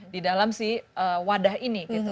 di dalam si wadah ini gitu